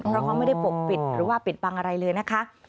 เพราะเขาไม่ได้ปกปิดหรือว่าปิดบังอะไรเลยนะคะ